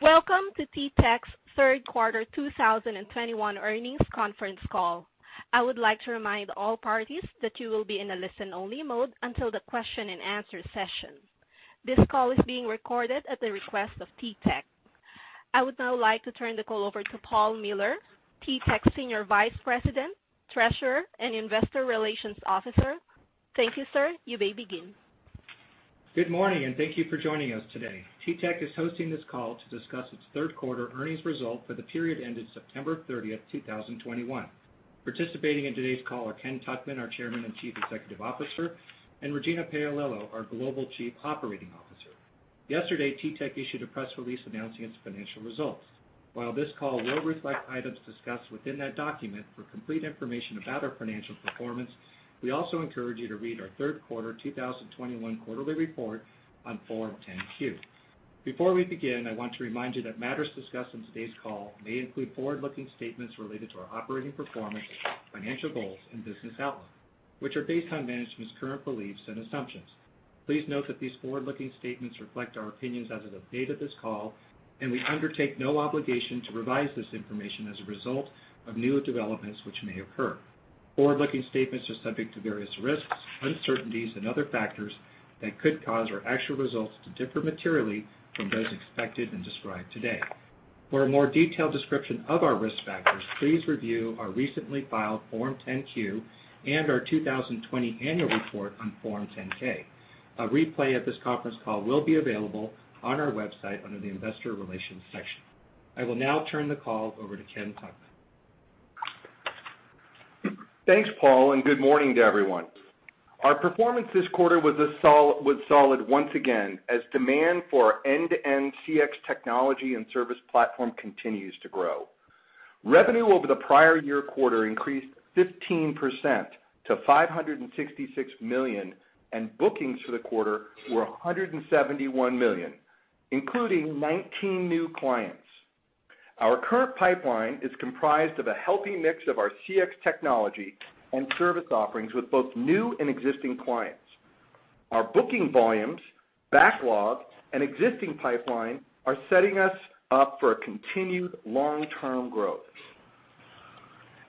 Welcome to TTEC's third quarter 2021 earnings conference call. I would like to remind all parties that you will be in a listen-only mode until the question and answer session. This call is being recorded at the request of TTEC. I would now like to turn the call over to Paul Miller, TTEC Senior Vice President, Treasurer and Investor Relations Officer. Thank you, sir. You may begin. Good morning, and thank you for joining us today. TTEC is hosting this call to discuss its third quarter earnings result for the period ended September 30, 2021. Participating in today's call are Ken Tuchman, our Chairman and Chief Executive Officer, and Regina Paolillo, our Global Chief Operating Officer. Yesterday, TTEC issued a press release announcing its financial results. While this call will reflect items discussed within that document, for complete information about our financial performance, we also encourage you to read our third quarter 2021 quarterly report on Form 10-Q. Before we begin, I want to remind you that matters discussed in today's call may include forward-looking statements related to our operating performance, financial goals and business outlook, which are based on management's current beliefs and assumptions. Please note that these forward-looking statements reflect our opinions as of the date of this call, and we undertake no obligation to revise this information as a result of newer developments which may occur. Forward-looking statements are subject to various risks, uncertainties and other factors that could cause our actual results to differ materially from those expected and described today. For a more detailed description of our risk factors, please review our recently filed Form 10-Q and our 2020 annual report on Form 10-K. A replay of this conference call will be available on our website under the Investor Relations section. I will now turn the call over to Ken Tuchman. Thanks, Paul, and good morning to everyone. Our performance this quarter was solid once again as demand for our end-to-end CX technology and service platform continues to grow. Revenue over the prior year quarter increased 15% to $566 million, and bookings for the quarter were $171 million, including 19 new clients. Our current pipeline is comprised of a healthy mix of our CX technology and service offerings with both new and existing clients. Our booking volumes, backlog and existing pipeline are setting us up for a continued long-term growth.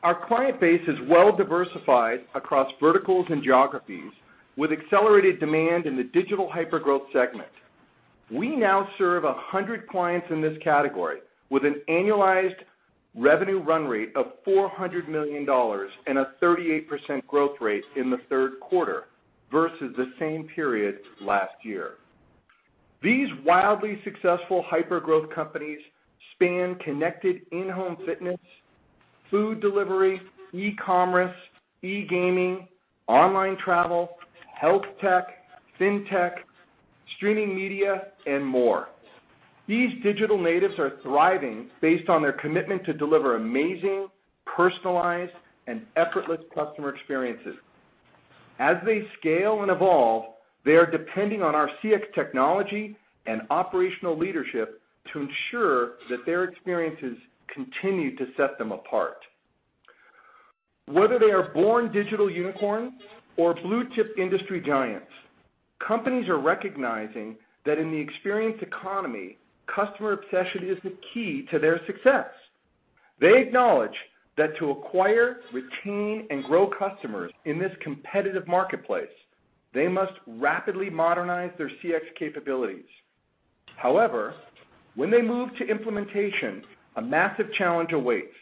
Our client base is well diversified across verticals and geographies with accelerated demand in the digital hypergrowth segment. We now serve 100 clients in this category with an annualized revenue run rate of $400 million and a 38% growth rate in the third quarter versus the same period last year. These wildly successful hypergrowth companies span connected in-home fitness, food delivery, e-commerce, e-gaming, online travel, health tech, fintech, streaming media, and more. These digital natives are thriving based on their commitment to deliver amazing, personalized and effortless customer experiences. As they scale and evolve, they are depending on our CX technology and operational leadership to ensure that their experiences continue to set them apart. Whether they are born digital unicorns or blue-chip industry giants, companies are recognizing that in the experienced economy, customer obsession is the key to their success. They acknowledge that to acquire, retain, and grow customers in this competitive marketplace, they must rapidly modernize their CX capabilities. However, when they move to implementation, a massive challenge awaits.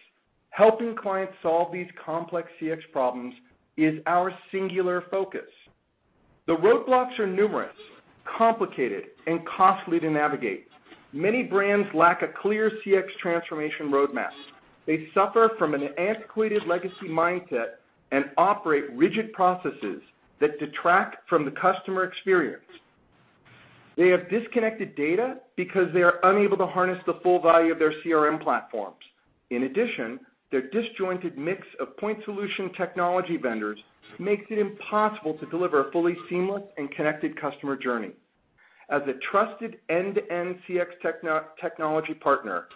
Helping clients solve these complex CX problems is our singular focus. The roadblocks are numerous, complicated, and costly to navigate. Many brands lack a clear CX transformation roadmap. They suffer from an antiquated legacy mindset and operate rigid processes that detract from the customer experience. They have disconnected data because they are unable to harness the full value of their CRM platforms. In addition, their disjointed mix of point solution technology vendors makes it impossible to deliver a fully seamless and connected customer journey. As a trusted end-to-end CX technology partner,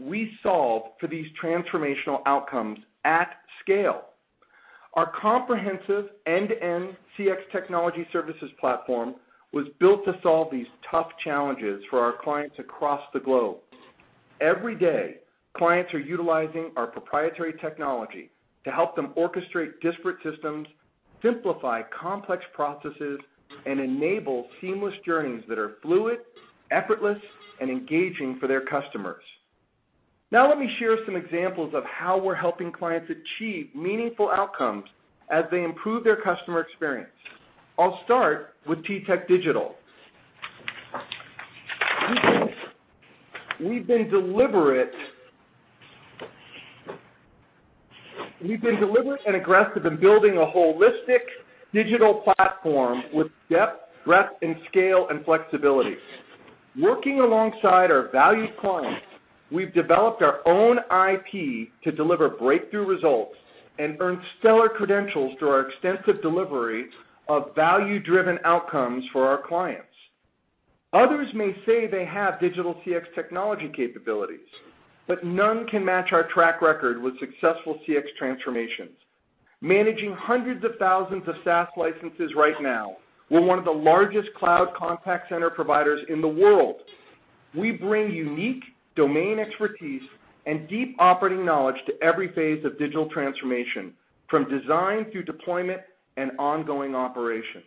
we solve for these transformational outcomes at scale. Our comprehensive end-to-end CX technology services platform was built to solve these tough challenges for our clients across the globe. Every day, clients are utilizing our proprietary technology to help them orchestrate disparate systems, simplify complex processes, and enable seamless journeys that are fluid, effortless, and engaging for their customers. Now, let me share some examples of how we're helping clients achieve meaningful outcomes as they improve their customer experience. I'll start with TTEC Digital. We've been deliberate and aggressive in building a holistic digital platform with depth, breadth, and scale and flexibility. Working alongside our valued clients, we've developed our own IP to deliver breakthrough results and earn stellar credentials through our extensive delivery of value-driven outcomes for our clients. Others may say they have digital CX technology capabilities, but none can match our track record with successful CX transformations. Managing hundreds of thousands of SaaS licenses right now, we're one of the largest cloud contact center providers in the world. We bring unique domain expertise and deep operating knowledge to every phase of digital transformation, from design through deployment and ongoing operations.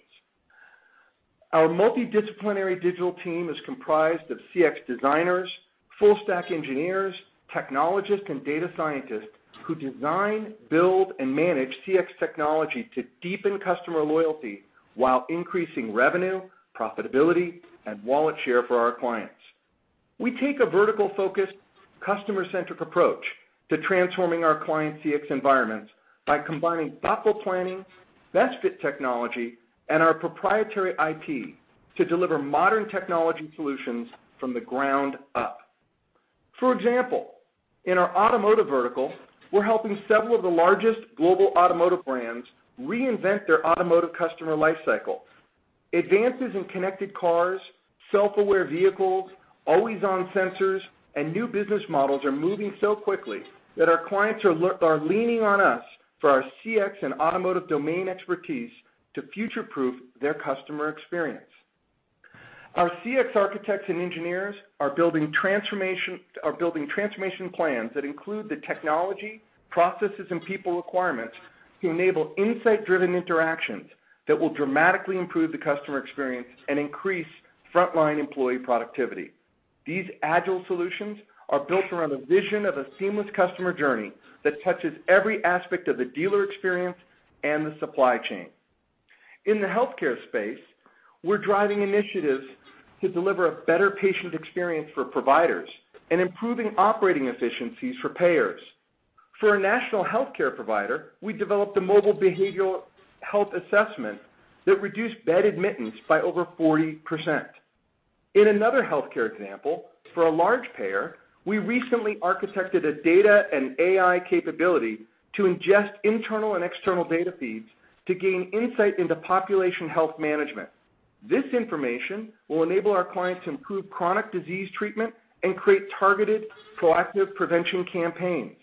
Our multidisciplinary digital team is comprised of CX designers, full stack engineers, technologists, and data scientists who design, build, and manage CX technology to deepen customer loyalty while increasing revenue, profitability, and wallet share for our clients. We take a vertical-focused customer-centric approach to transforming our clients' CX environments by combining thoughtful planning, best fit technology, and our proprietary IT to deliver modern technology solutions from the ground up. For example, in our automotive vertical, we're helping several of the largest global automotive brands reinvent their automotive customer life cycle. Advances in connected cars, self-aware vehicles, always-on sensors, and new business models are moving so quickly that our clients are leaning on us for our CX and automotive domain expertise to future-proof their customer experience. Our CX architects and engineers are building transformation plans that include the technology, processes, and people requirements to enable insight-driven interactions that will dramatically improve the customer experience and increase frontline employee productivity. These agile solutions are built around a vision of a seamless customer journey that touches every aspect of the dealer experience and the supply chain. In the healthcare space, we're driving initiatives to deliver a better patient experience for providers and improving operating efficiencies for payers. For a national healthcare provider, we developed a mobile behavioral health assessment that reduced bed admittance by over 40%. In another healthcare example, for a large payer, we recently architected a data and AI capability to ingest internal and external data feeds to gain insight into population health management. This information will enable our clients to improve chronic disease treatment and create targeted proactive prevention campaigns.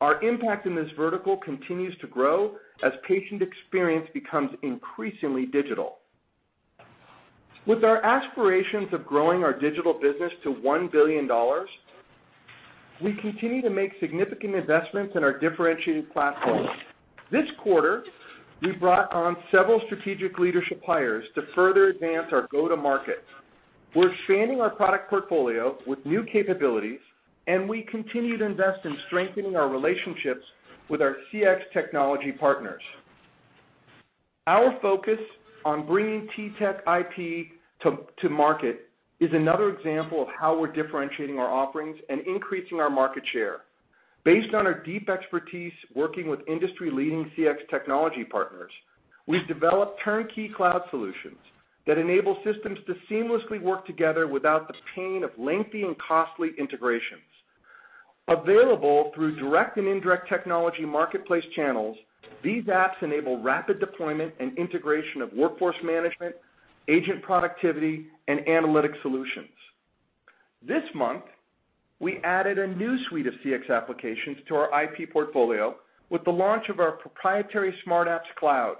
Our impact in this vertical continues to grow as patient experience becomes increasingly digital. With our aspirations of growing our digital business to $1 billion, we continue to make significant investments in our differentiated platform. This quarter, we brought on several strategic leader suppliers to further advance our go-to-market. We're expanding our product portfolio with new capabilities, and we continue to invest in strengthening our relationships with our CX technology partners. Our focus on bringing TTEC IP to market is another example of how we're differentiating our offerings and increasing our market share. Based on our deep expertise working with industry-leading CX technology partners, we've developed turnkey cloud solutions that enable systems to seamlessly work together without the pain of lengthy and costly integrations. Available through direct and indirect technology marketplace channels, these apps enable rapid deployment and integration of workforce management, agent productivity, and analytic solutions. This month, we added a new suite of CX applications to our IP portfolio with the launch of our proprietary Smartapps Cloud,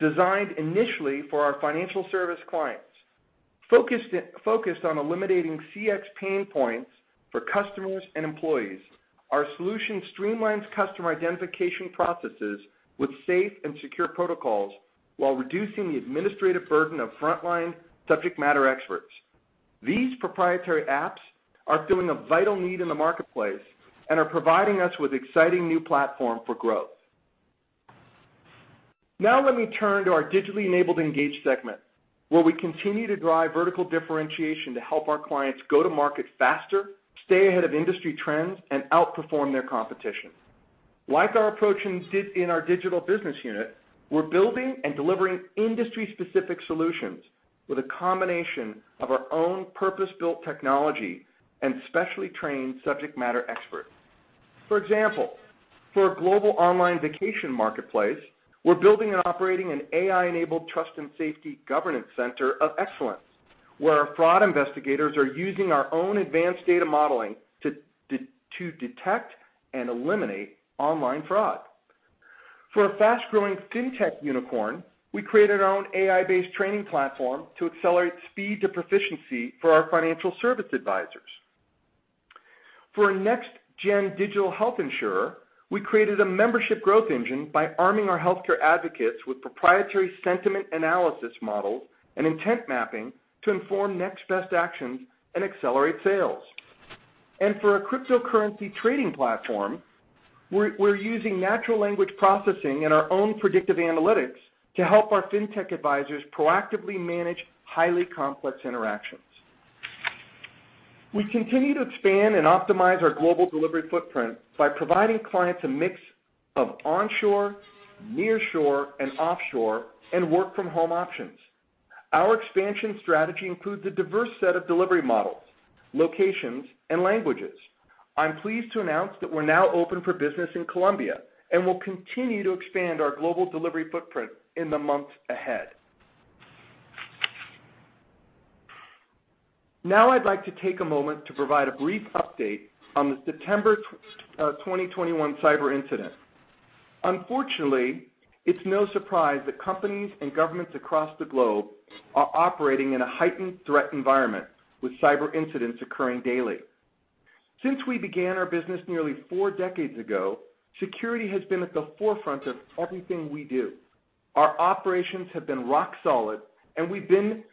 designed initially for our financial service clients. Focused on eliminating CX pain points for customers and employees, our solution streamlines customer identification processes with safe and secure protocols while reducing the administrative burden of frontline subject matter experts. These proprietary apps are filling a vital need in the marketplace and are providing us with exciting new platform for growth. Now let me turn to our digitally enabled Engage segment, where we continue to drive vertical differentiation to help our clients go to market faster, stay ahead of industry trends, and outperform their competition. Like our approach in our digital business unit, we're building and delivering industry-specific solutions with a combination of our own purpose-built technology and specially trained subject matter experts. For example, for a global online vacation marketplace, we're building and operating an AI-enabled trust and safety governance center of excellence, where our fraud investigators are using our own advanced data modeling to detect and eliminate online fraud. For a fast-growing fintech unicorn, we created our own AI-based training platform to accelerate speed to proficiency for our financial service advisors. For a next-gen digital health insurer, we created a membership growth engine by arming our healthcare advocates with proprietary sentiment analysis models and intent mapping to inform next best actions and accelerate sales. For a cryptocurrency trading platform, we're using natural language processing and our own predictive analytics to help our fintech advisors proactively manage highly complex interactions. We continue to expand and optimize our global delivery footprint by providing clients a mix of onshore, nearshore, and offshore and work-from-home options. Our expansion strategy includes a diverse set of delivery models, locations, and languages. I'm pleased to announce that we're now open for business in Colombia, and we'll continue to expand our global delivery footprint in the months ahead. Now I'd like to take a moment to provide a brief update on the September 2021 cyber incident. Unfortunately, it's no surprise that companies and governments across the globe are operating in a heightened threat environment with cyber incidents occurring daily. Since we began our business nearly four decades ago, security has been at the forefront of everything we do. Our operations have been rock solid, and we've been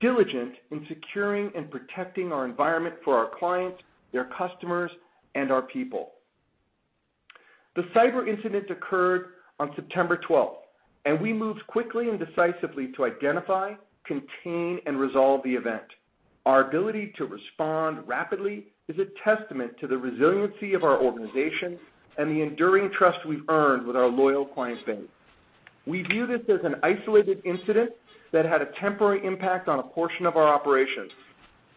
diligent in securing and protecting our environment for our clients, their customers, and our people. The cyber incident occurred on September 12, and we moved quickly and decisively to identify, contain, and resolve the event. Our ability to respond rapidly is a testament to the resiliency of our organization and the enduring trust we've earned with our loyal client base. We view this as an isolated incident that had a temporary impact on a portion of our operations.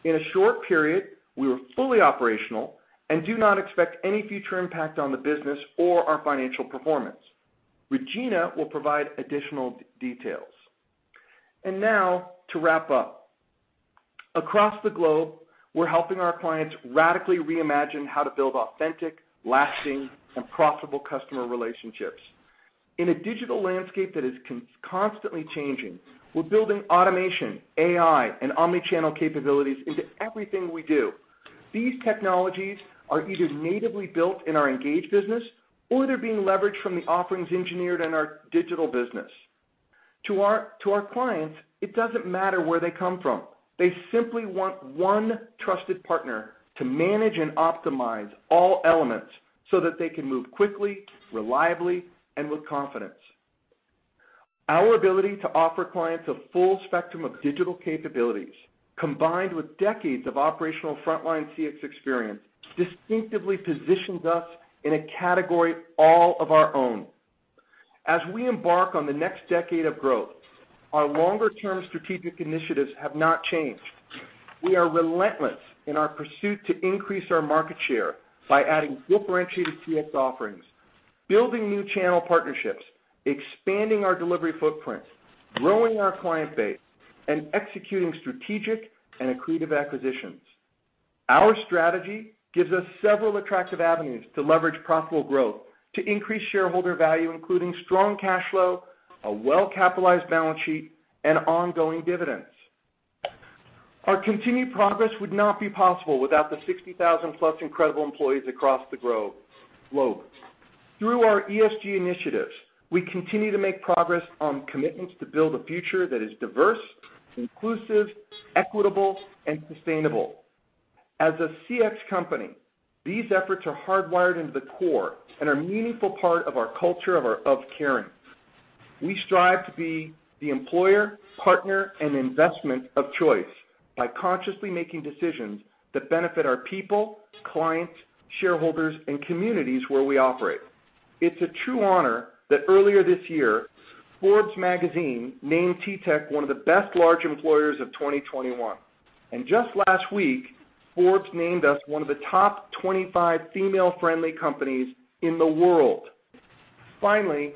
In a short period, we were fully operational and do not expect any future impact on the business or our financial performance. Regina will provide additional details. Now to wrap up. Across the globe, we're helping our clients radically reimagine how to build authentic, lasting, and profitable customer relationships. In a digital landscape that is constantly changing, we're building automation, AI, and omni-channel capabilities into everything we do. These technologies are either natively built in our Engage business or they're being leveraged from the offerings engineered in our Digital business. To our clients, it doesn't matter where they come from. They simply want one trusted partner to manage and optimize all elements so that they can move quickly, reliably, and with confidence. Our ability to offer clients a full spectrum of digital capabilities, combined with decades of operational frontline CX experience, distinctively positions us in a category all of our own. As we embark on the next decade of growth, our longer-term strategic initiatives have not changed. We are relentless in our pursuit to increase our market share by adding differentiated CX offerings, building new channel partnerships, expanding our delivery footprint, growing our client base, and executing strategic and accretive acquisitions. Our strategy gives us several attractive avenues to leverage profitable growth to increase shareholder value, including strong cash flow, a well-capitalized balance sheet, and ongoing dividends. Our continued progress would not be possible without the 60,000+ incredible employees across the globe. Through our ESG initiatives, we continue to make progress on commitments to build a future that is diverse, inclusive, equitable, and sustainable. As a CX company, these efforts are hardwired into the core and are a meaningful part of our culture of caring. We strive to be the employer, partner, and investment of choice by consciously making decisions that benefit our people, clients, shareholders, and communities where we operate. It's a true honor that earlier this year, Forbes magazine named TTEC one of the best large employers of 2021. Just last week, Forbes named us one of the top 25 female-friendly companies in the world. Finally,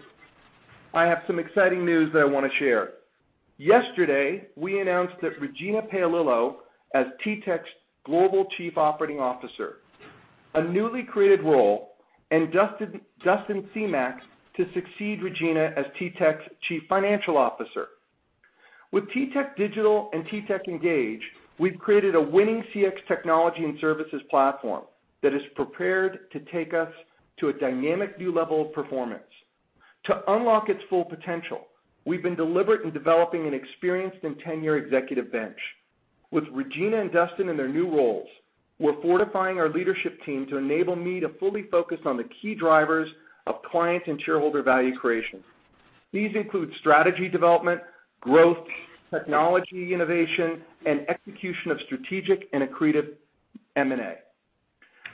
I have some exciting news that I wanna share. Yesterday, we announced that Regina Paolillo as TTEC's Global Chief Operating Officer, a newly created role, and Dustin Semach to succeed Regina as TTEC's Chief Financial Officer. With TTEC Digital and TTEC Engage, we've created a winning CX technology and services platform that is prepared to take us to a dynamic new level of performance. To unlock its full potential, we've been deliberate in developing an experienced and tenured executive bench. With Regina and Dustin in their new roles, we're fortifying our leadership team to enable me to fully focus on the key drivers of client and shareholder value creation. These include strategy development, growth, technology innovation, and execution of strategic and accretive M&A.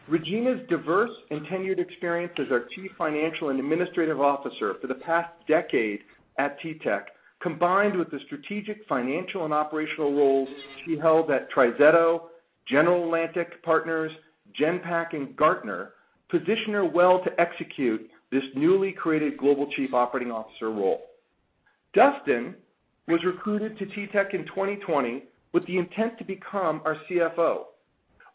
Regina's diverse and tenured experience as our chief financial and administrative officer for the past decade at TTEC, combined with the strategic, financial, and operational roles she held at TriZetto, General Atlantic Partners, Genpact, and Gartner, position her well to execute this newly created global chief operating officer role. Dustin was recruited to TTEC in 2020 with the intent to become our CFO.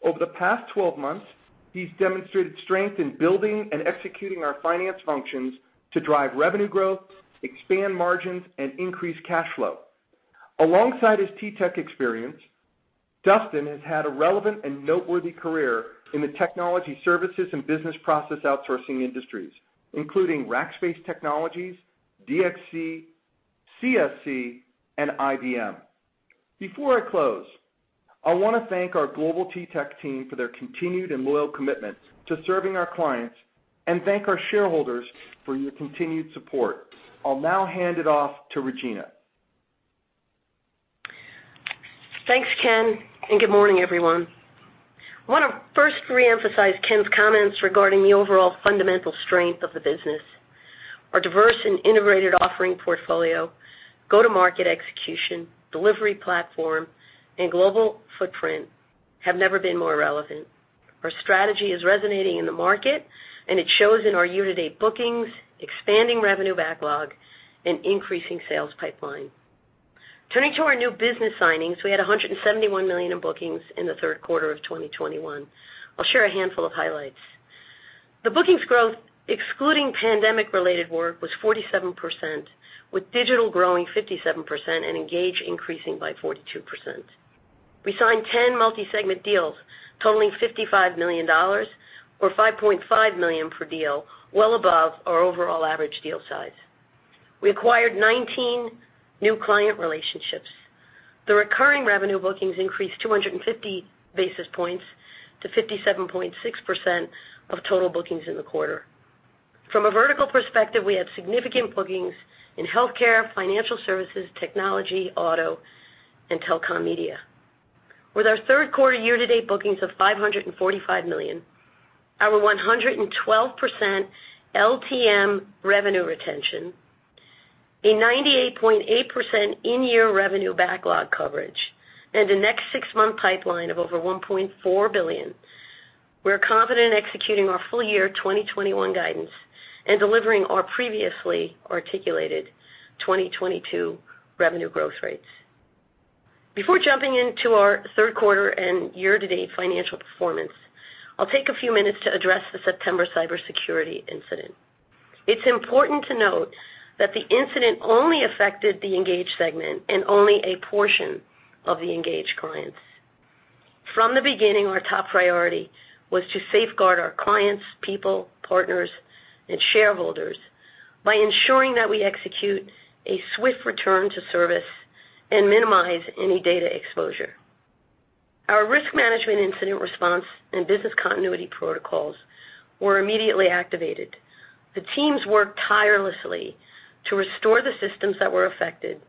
Over the past 12 months, he's demonstrated strength in building and executing our finance functions to drive revenue growth, expand margins, and increase cash flow. Alongside his TTEC experience, Dustin has had a relevant and noteworthy career in the technology services and business process outsourcing industries, including Rackspace Technology, DXC, CSC, and IBM. Before I close, I wanna thank our global TTEC team for their continued and loyal commitment to serving our clients and thank our shareholders for your continued support. I'll now hand it off to Regina. Thanks, Ken, and good morning, everyone. I wanna first re-emphasize Ken's comments regarding the overall fundamental strength of the business. Our diverse and integrated offering portfolio, go-to-market execution, delivery platform, and global footprint have never been more relevant. Our strategy is resonating in the market, and it shows in our year-to-date bookings, expanding revenue backlog, and increasing sales pipeline. Turning to our new business signings, we had $171 million in bookings in the third quarter of 2021. I'll share a handful of highlights. The bookings growth, excluding pandemic-related work, was 47%, with Digital growing 57% and Engage increasing by 42%. We signed 10 multi-segment deals totaling $55 million or $5.5 million per deal, well above our overall average deal size. We acquired 19 new client relationships. The recurring revenue bookings increased 250 basis points to 57.6% of total bookings in the quarter. From a vertical perspective, we had significant bookings in healthcare, financial services, technology, auto, and telecom media. With our third quarter year-to-date bookings of $545 million, our 112% LTM revenue retention, a 98.8% in-year revenue backlog coverage, and a next six-month pipeline of over $1.4 billion, we're confident executing our full-year 2021 guidance and delivering our previously articulated 2022 revenue growth rates. Before jumping into our third quarter and year-to-date financial performance, I'll take a few minutes to address the September cybersecurity incident. It's important to note that the incident only affected the Engage segment and only a portion of the Engage clients. From the beginning, our top priority was to safeguard our clients, people, partners, and shareholders by ensuring that we execute a swift return to service and minimize any data exposure. Our risk management incident response and business continuity protocols were immediately activated. The teams worked tirelessly to restore the systems that were affected.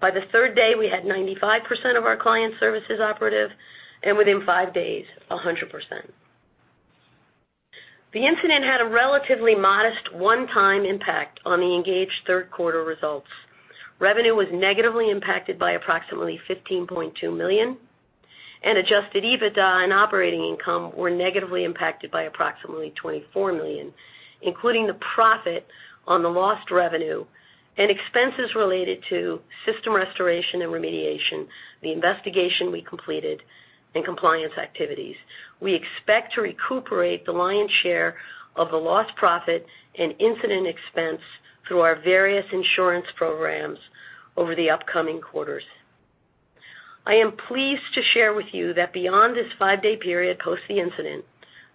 By the third day, we had 95% of our client services operative, and within five days, 100%. The incident had a relatively modest one-time impact on the Engage third-quarter results. Revenue was negatively impacted by approximately $15.2 million, and adjusted EBITDA and operating income were negatively impacted by approximately $24 million, including the profit on the lost revenue and expenses related to system restoration and remediation, the investigation we completed, and compliance activities. We expect to recuperate the lion's share of the lost profit and incident expense through our various insurance programs over the upcoming quarters. I am pleased to share with you that beyond this five-day period post the incident,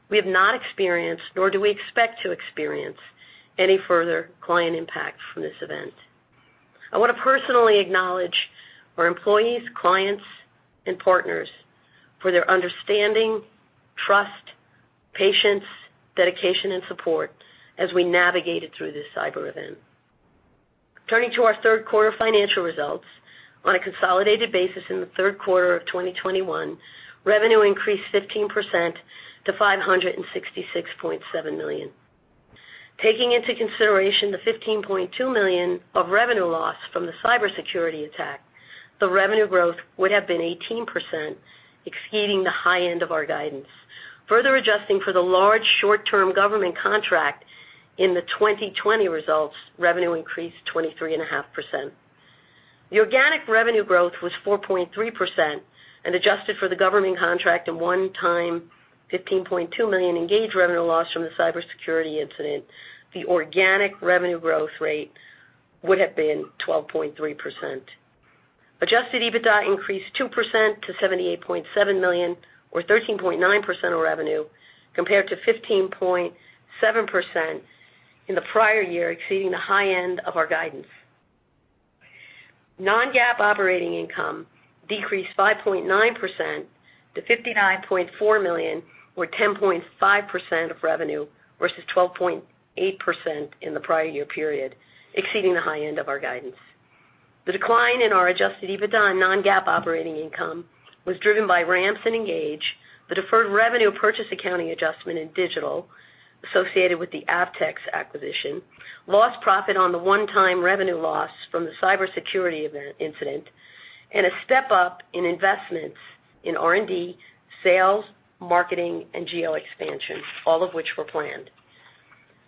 we have not experienced, nor do we expect to experience, any further client impact from this event. I want to personally acknowledge our employees, clients, and partners for their understanding, trust, patience, dedication, and support as we navigated through this cyber event. Turning to our third quarter financial results, on a consolidated basis in the third quarter of 2021, revenue increased 15% to $566.7 million. Taking into consideration the $15.2 million of revenue loss from the cybersecurity attack, the revenue growth would have been 18%, exceeding the high end of our guidance. Further adjusting for the large short-term government contract in the 2020 results, revenue increased 23.5%. The organic revenue growth was 4.3%, and adjusted for the government contract and one-time $15.2 million Engage revenue loss from the cybersecurity incident, the organic revenue growth rate would have been 12.3%. Adjusted EBITDA increased 2% to $78.7 million or 13.9% of revenue compared to 15.7% in the prior year, exceeding the high end of our guidance. Non-GAAP operating income decreased 5.9% to $59.4 million or 10.5% of revenue versus 12.8% in the prior year period, exceeding the high end of our guidance. The decline in our adjusted EBITDA and non-GAAP operating income was driven by ramps in Engage, the deferred revenue purchase accounting adjustment in Digital associated with the Avtex acquisition, lost profit on the one-time revenue loss from the cybersecurity event incident, and a step-up in investments in R&D, sales, marketing, and geo expansion, all of which were planned.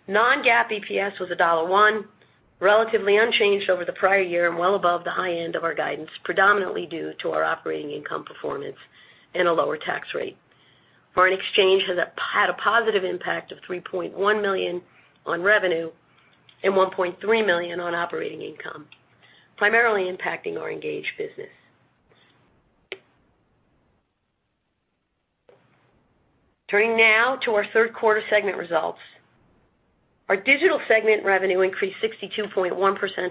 Non-GAAP EPS was $1, relatively unchanged over the prior year and well above the high end of our guidance, predominantly due to our operating income performance and a lower tax rate. Foreign exchange had a positive impact of $3.1 million on revenue and $1.3 million on operating income, primarily impacting our Engage business. Turning now to our third quarter segment results. Our digital segment revenue increased 62.1%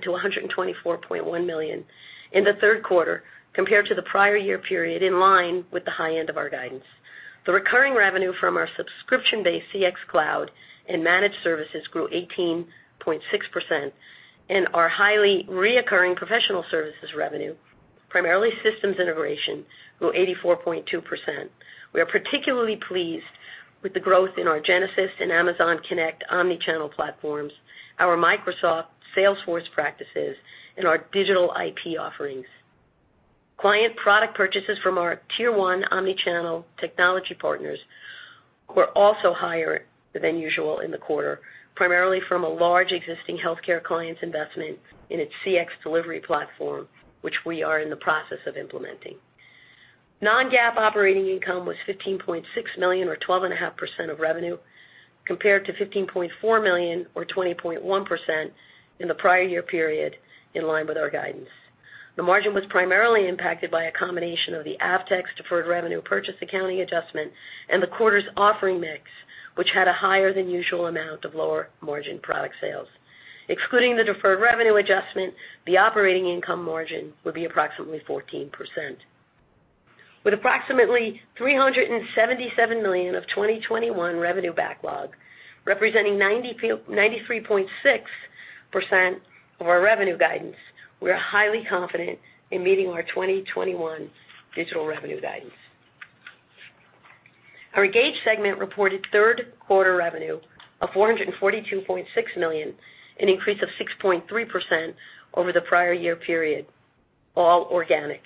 to $124.1 million in the third quarter compared to the prior year period, in line with the high end of our guidance. The recurring revenue from our subscription-based CX Cloud and managed services grew 18.6%, and our highly recurring professional services revenue, primarily systems integration, grew 84.2%. We are particularly pleased with the growth in our Genesys and Amazon Connect omni-channel platforms, our Microsoft Salesforce practices, and our digital IP offerings. Client product purchases from our tier one omni-channel technology partners were also higher than usual in the quarter, primarily from a large existing healthcare client's investment in its CX delivery platform, which we are in the process of implementing. Non-GAAP operating income was $15.6 million, or 12.5% of revenue, compared to $15.4 million, or 20.1% in the prior year period, in line with our guidance. The margin was primarily impacted by a combination of the Avtex deferred revenue purchase accounting adjustment and the quarter's offering mix, which had a higher than usual amount of lower margin product sales. Excluding the deferred revenue adjustment, the operating income margin would be approximately 14%. With approximately $377 million of 2021 revenue backlog, representing 93.6% of our revenue guidance, we are highly confident in meeting our 2021 digital revenue guidance. Our Engage segment reported third quarter revenue of $442.6 million, an increase of 6.3% over the prior year period, all organic.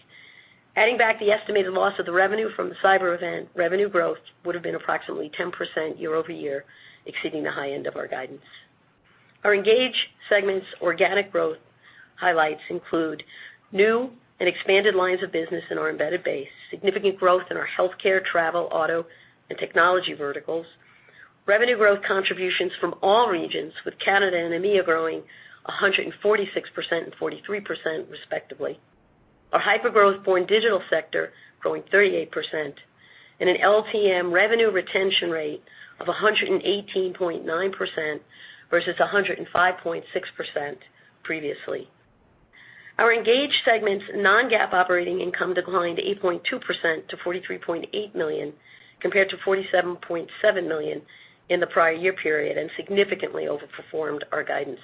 Adding back the estimated loss of the revenue from the cyber event, revenue growth would have been approximately 10% year-over-year, exceeding the high end of our guidance. Our Engage segment's organic growth highlights include new and expanded lines of business in our embedded base, significant growth in our healthcare, travel, auto, and technology verticals, revenue growth contributions from all regions, with Canada and EMEA growing 146% and 43%, respectively, our hyper-growth born digital sector growing 38%, and an LTM revenue retention rate of 118.9% versus 105.6% previously. Our Engage segment's Non-GAAP operating income declined 8.2% to $43.8 million, compared to $47.7 million in the prior year period, and significantly overperformed our guidance.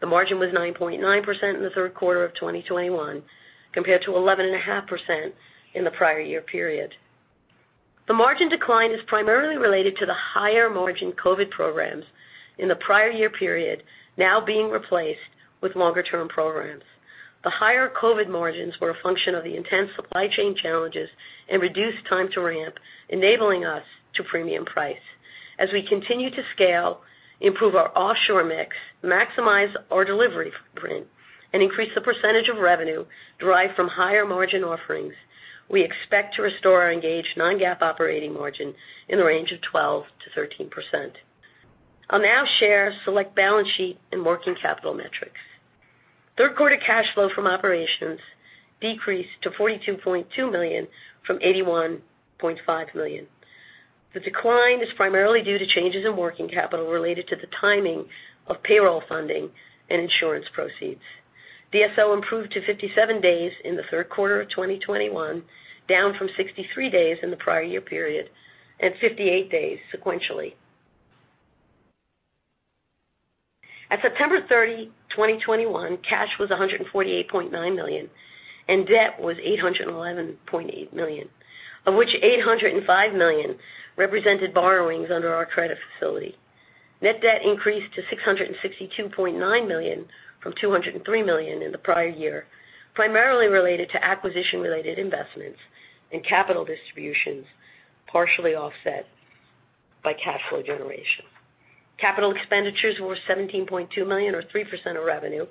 The margin was 9.9% in the third quarter of 2021, compared to 11.5% in the prior year period. The margin decline is primarily related to the higher margin COVID programs in the prior year period now being replaced with longer-term programs. The higher COVID margins were a function of the intense supply chain challenges and reduced time to ramp, enabling us to premium price. As we continue to scale, improve our offshore mix, maximize our delivery footprint, and increase the percentage of revenue derived from higher margin offerings, we expect to restore our Engage non-GAAP operating margin in the range of 12%-13%. I'll now share select balance sheet and working capital metrics. Third quarter cash flow from operations decreased to $42.2 million from $81.5 million. The decline is primarily due to changes in working capital related to the timing of payroll funding and insurance proceeds. DSO improved to 57 days in the third quarter of 2021, down from 63 days in the prior year period and 58 days sequentially. At September 30, 2021, cash was $148.9 million, and debt was $811.8 million, of which $805 million represented borrowings under our credit facility. Net debt increased to $662.9 million from $203 million in the prior year, primarily related to acquisition-related investments and capital distributions, partially offset by cash flow generation. Capital expenditures were $17.2 million, or 3% of revenue,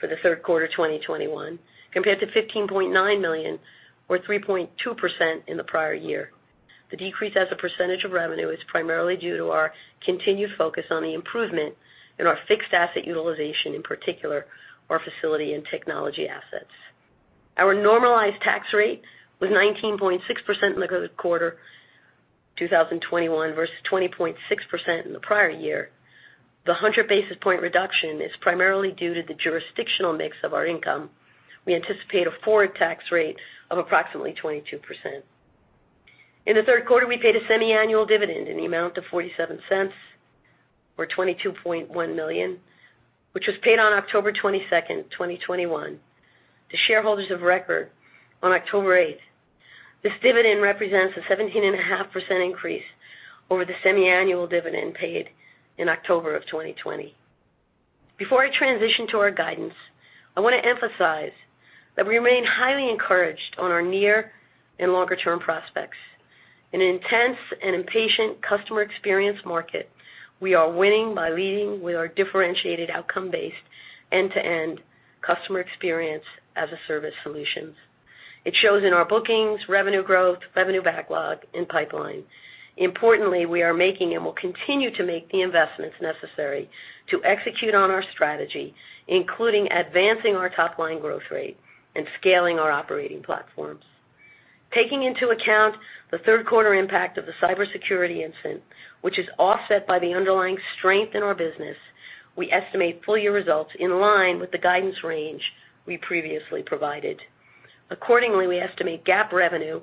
for the third quarter 2021, compared to $15.9 million, or 3.2%, in the prior year. The decrease as a percentage of revenue is primarily due to our continued focus on the improvement in our fixed asset utilization, in particular our facility and technology assets. Our normalized tax rate was 19.6% in Q3 2021 versus 20.6% in the prior year. The 100 basis point reduction is primarily due to the jurisdictional mix of our income. We anticipate a forward tax rate of approximately 22%. In the third quarter, we paid a semiannual dividend in the amount of $0.47, or $22.1 million, which was paid on October 22, 2021, to shareholders of record on October 8th. This dividend represents a 17.5% increase over the semiannual dividend paid in October of 2020. Before I transition to our guidance, I want to emphasize that we remain highly encouraged on our near and longer-term prospects. In an intense and impatient customer experience market, we are winning by leading with our differentiated outcome-based end-to-end customer experience as a service solution. It shows in our bookings, revenue growth, revenue backlog, and pipeline. Importantly, we are making and will continue to make the investments necessary to execute on our strategy, including advancing our top-line growth rate and scaling our operating platforms. Taking into account the third quarter impact of the cybersecurity incident, which is offset by the underlying strength in our business, we estimate full-year results in line with the guidance range we previously provided. Accordingly, we estimate GAAP revenue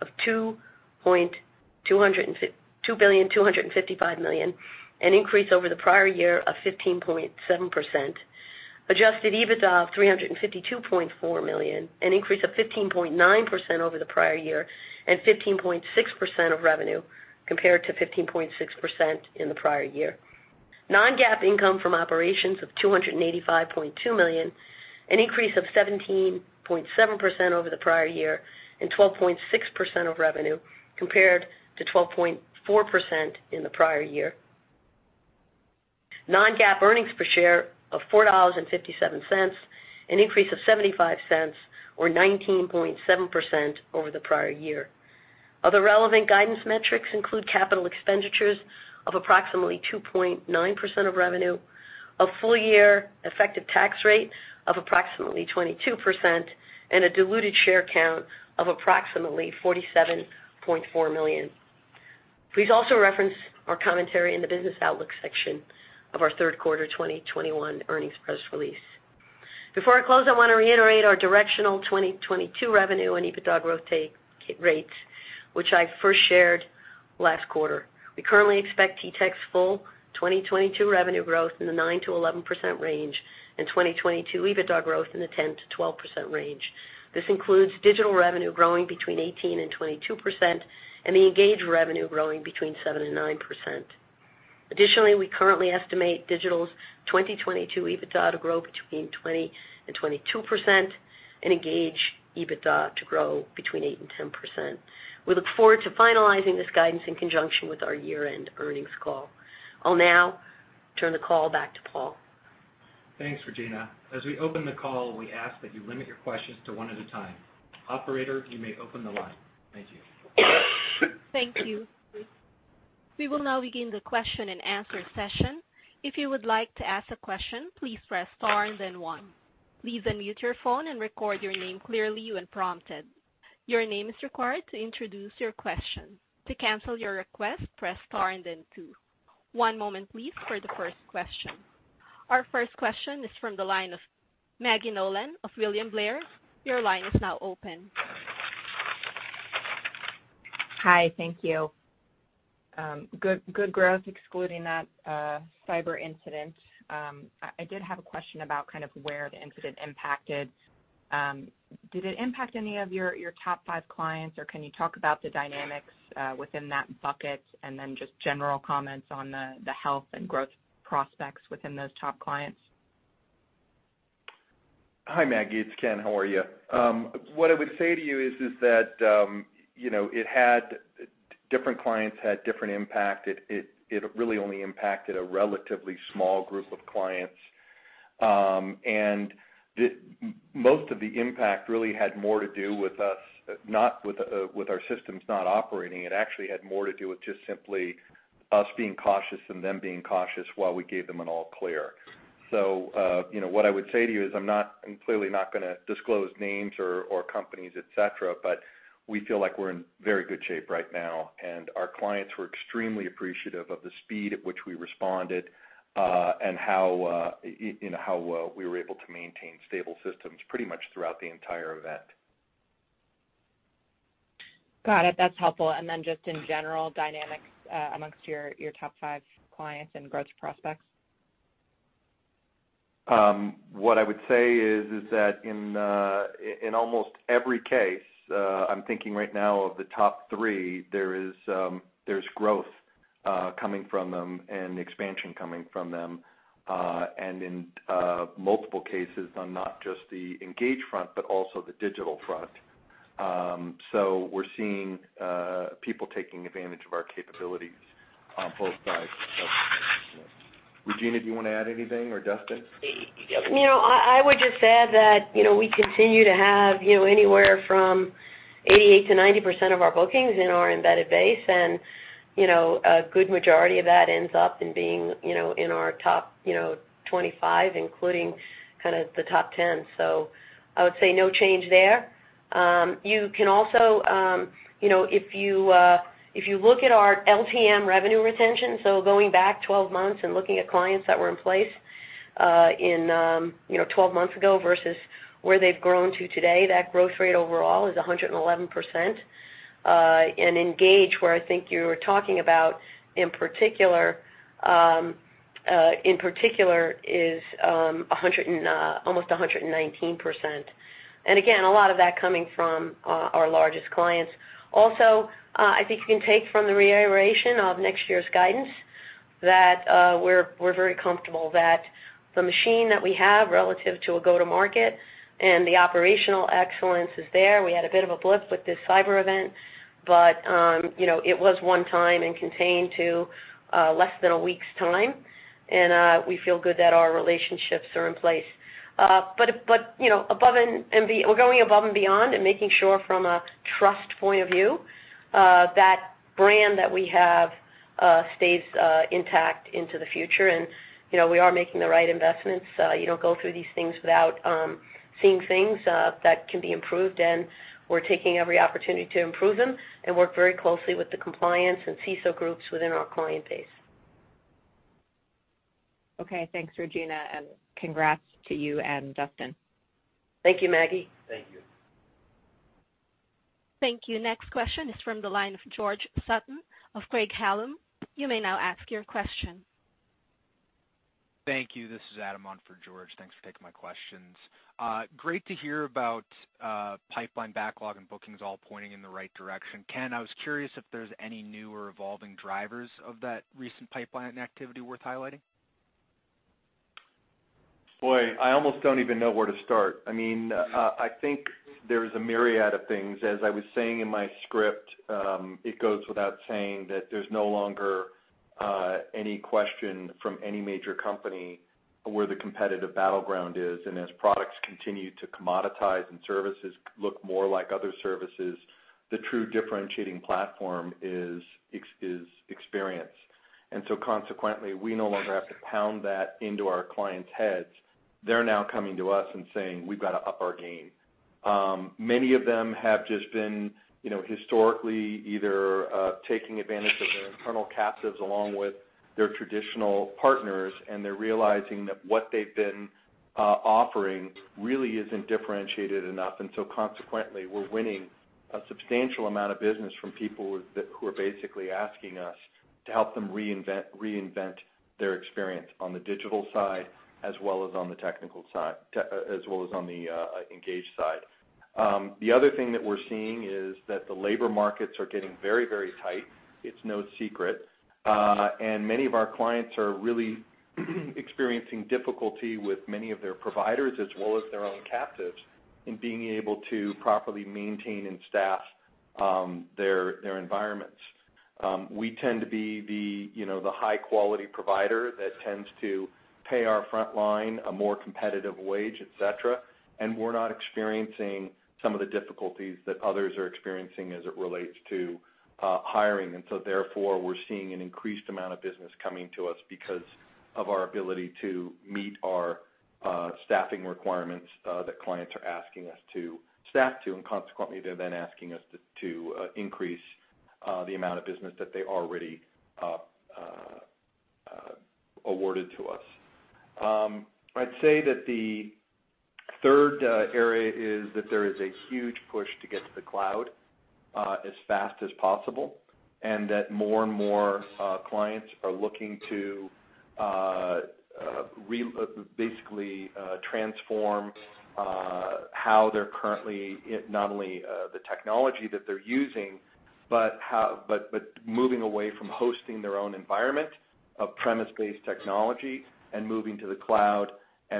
of $2.255 billion, an increase over the prior year of 15.7%, adjusted EBITDA of $352.4 million, an increase of 15.9% over the prior year, and 15.6% of revenue compared to 15.6% in the prior year. Non-GAAP income from operations of $285.2 million, an increase of 17.7% over the prior year and 12.6% of revenue compared to 12.4% in the prior year. Non-GAAP earnings per share of $4.57, an increase of $0.75 or 19.7% over the prior year. Other relevant guidance metrics include capital expenditures of approximately 2.9% of revenue, a full-year effective tax rate of approximately 22%, and a diluted share count of approximately 47.4 million. Please also reference our commentary in the business outlook section of our Q3 2021 earnings press release. Before I close, I want to reiterate our directional 2022 revenue and EBITDA growth rates, which I first shared last quarter. We currently expect TTEC's full 2022 revenue growth in the 9%-11% range and 2022 EBITDA growth in the 10%-12% range. This includes Digital revenue growing between 18% and 22%, and the Engage revenue growing between 7% and 9%. Additionally, we currently estimate Digital's 2022 EBITDA to grow between 20% and 22% and Engage EBITDA to grow between 8% and 10%. We look forward to finalizing this guidance in conjunction with our year-end earnings call. I'll now turn the call back to Paul. Thanks, Regina. As we open the call, we ask that you limit your questions to one at a time. Operator, you may open the line. Thank you. Thank you. We will now begin the question-and-answer session. If you would like to ask a question, please press Star and then One. Please unmute your phone and record your name clearly when prompted. Your name is required to introduce your question. To cancel your request, press Star and then Two. One moment please for the first question. Our first question is from the line of Maggie Nolan of William Blair. Your line is now open. Hi. Thank you. Good growth excluding that cyber incident. I did have a question about kind of where the incident impacted. Did it impact any of your top five clients, or can you talk about the dynamics within that bucket? Just general comments on the health and growth prospects within those top clients. Hi, Maggie. It's Ken, how are you? What I would say to you is that, you know, different clients had different impact. It really only impacted a relatively small group of clients. Most of the impact really had more to do with us, not with our systems not operating. It actually had more to do with just simply us being cautious and them being cautious while we gave them an all clear. You know, what I would say to you is I'm clearly not gonna disclose names or companies, et cetera, but we feel like we're in very good shape right now, and our clients were extremely appreciative of the speed at which we responded, and how you know, how well we were able to maintain stable systems pretty much throughout the entire event. Got it. That's helpful. Just in general dynamics, among your top five clients and growth prospects? What I would say is that in almost every case, I'm thinking right now of the top three, there's growth coming from them and expansion coming from them. In multiple cases on not just the Engage front, but also the Digital front. We're seeing people taking advantage of our capabilities on both sides of. Regina, do you wanna add anything or Dustin? You know, I would just add that, you know, we continue to have, you know, anywhere from 88%-90% of our bookings in our embedded base. You know, a good majority of that ends up being, you know, in our top, you know, 25 including kind of the top 10. I would say no change there. You can also, you know, if you look at our LTM revenue retention, so going back 12 months and looking at clients that were in place, you know, 12 months ago versus where they've grown to today, that growth rate overall is 111%. Engage, where I think you were talking about in particular, is almost 119%. Again, a lot of that coming from our largest clients. Also, I think you can take from the reiteration of next year's guidance that we're very comfortable that the machine that we have relative to a go-to-market and the operational excellence is there. We had a bit of a blip with this cyber event, but you know, it was one time and contained to less than a week's time, and we feel good that our relationships are in place. You know, we're going above and beyond and making sure from a trust point of view that brand that we have stays intact into the future. You know, we are making the right investments. You don't go through these things without seeing things that can be improved, and we're taking every opportunity to improve them and work very closely with the compliance and CISO groups within our client base. Okay, thanks, Regina, and congrats to you and Dustin. Thank you, Maggie. Thank you. Thank you. Next question is from the line of George Sutton of Craig-Hallum. You may now ask your question. Thank you. This is Adam on for George. Thanks for taking my questions. Great to hear about pipeline backlog and bookings all pointing in the right direction. Ken, I was curious if there's any new or evolving drivers of that recent pipeline activity worth highlighting. Boy, I almost don't even know where to start. I mean, I think there is a myriad of things. As I was saying in my script, it goes without saying that there's no longer any question from any major company where the competitive battleground is. As products continue to commoditize and services look more like other services, the true differentiating platform is CX experience. Consequently, we no longer have to pound that into our clients' heads. They're now coming to us and saying, "We've got to up our game." Many of them have just been, you know, historically either taking advantage of their internal captives along with their traditional partners, and they're realizing that what they've been offering really isn't differentiated enough. Consequently, we're winning a substantial amount of business from people who are basically asking us to help them reinvent their experience on the digital side as well as on the technical side as well as on the engage side. The other thing that we're seeing is that the labor markets are getting very tight. It's no secret. Many of our clients are really experiencing difficulty with many of their providers as well as their own captives in being able to properly maintain and staff their environments. We tend to be the, you know, the high quality provider that tends to pay our frontline a more competitive wage, et cetera. We're not experiencing some of the difficulties that others are experiencing as it relates to hiring. We're seeing an increased amount of business coming to us because of our ability to meet our staffing requirements that clients are asking us to staff to. They're then asking us to increase the amount of business that they already awarded to us. I'd say that the third area is that there is a huge push to get to the cloud as fast as possible, and that more and more clients are looking to basically transform how they're currently not only the technology that they're using, but moving away from hosting their own environment of on-premise-based technology and moving to the cloud.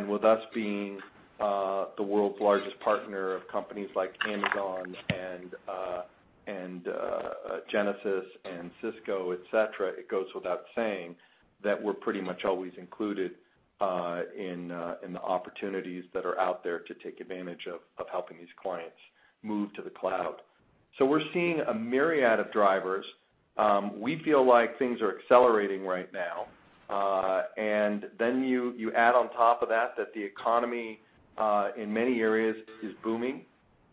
With us being the world's largest partner of companies like Amazon and Genesys and Cisco, et cetera, it goes without saying that we're pretty much always included in the opportunities that are out there to take advantage of helping these clients move to the cloud. We're seeing a myriad of drivers. We feel like things are accelerating right now. You add on top of that the economy in many areas is booming.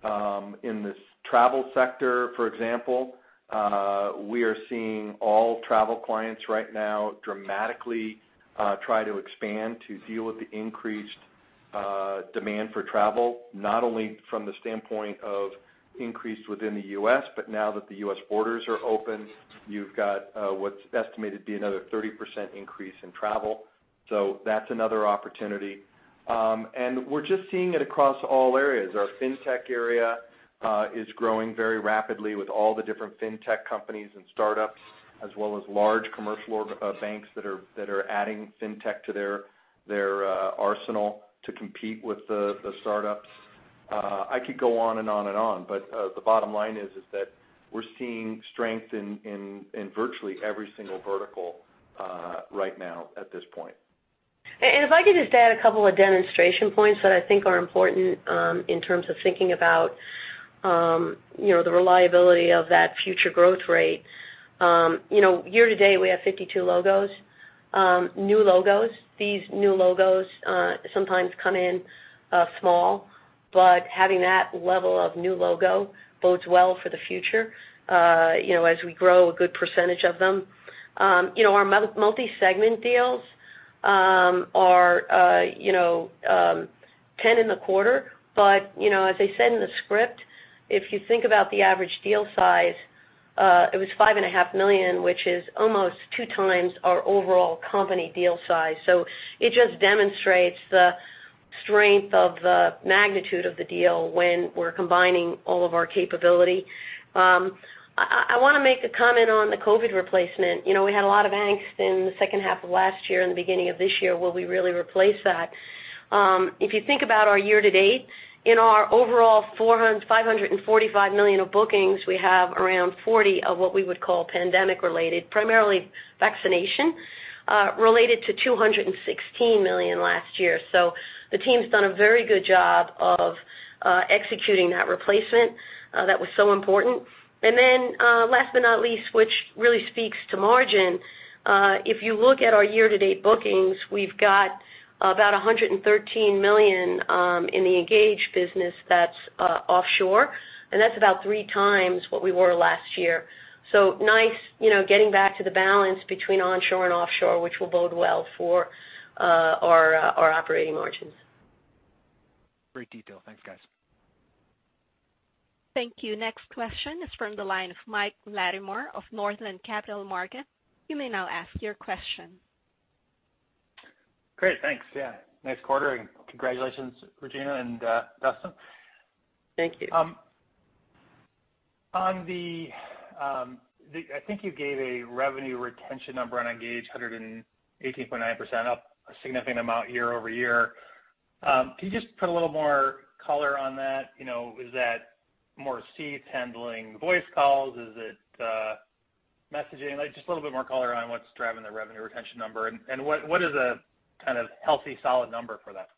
In this travel sector, for example, we are seeing all travel clients right now dramatically try to expand to deal with the increased demand for travel, not only from the standpoint of increased within the U.S., but now that the U.S. borders are open, you've got what's estimated to be another 30% increase in travel. That's another opportunity. We're just seeing it across all areas. Our fintech area is growing very rapidly with all the different fintech companies and startups, as well as large commercial org banks that are adding fintech to their arsenal to compete with the startups. I could go on and on and on, but the bottom line is that we're seeing strength in virtually every single vertical right now at this point. If I could just add a couple of demonstration points that I think are important in terms of thinking about you know the reliability of that future growth rate. You know year to date we have 52 new logos. These new logos sometimes come in small but having that level of new logo bodes well for the future you know as we grow a good percentage of them. You know our multi-segment deals are you know 10 in the quarter. You know as I said in the script if you think about the average deal size it was $5.5 million which is almost 2x our overall company deal size. It just demonstrates the strength of the magnitude of the deal when we're combining all of our capability. I wanna make a comment on the COVID replacement. You know, we had a lot of angst in the second half of last year and the beginning of this year. Will we really replace that? If you think about our year to date, in our overall $455 million of bookings, we have around 40 of what we would call pandemic related, primarily vaccination, related to $216 million last year. The team's done a very good job of executing that replacement that was so important. Last but not least, which really speaks to margin, if you look at our year-to-date bookings, we've got about $113 million in the Engage business that's offshore, and that's about three times what we were last year. Nice, you know, getting back to the balance between onshore and offshore, which will bode well for our operating margins. Great detail. Thanks, guys. Thank you. Next question is from the line of Mike Latimore of Northland Capital Markets. You may now ask your question. Great. Thanks. Yeah. Nice quarter, and congratulations, Regina and Dustin. Thank you. I think you gave a revenue retention number on Engage 118.9% up, a significant amount year-over-year. Can you just put a little more color on that? You know, is that more seats handling voice calls? Is it, messaging? Like, just a little bit more color on what's driving the revenue retention number, and what is a kind of healthy, solid number for that?